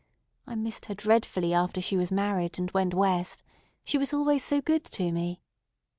I missed her dreadfully after she was married and went West. She was always so good to me."